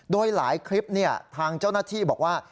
โดยหลายคลิปทางเจ้าหน้าที่บอกว่า